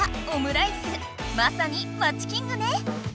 まさにまちキングね！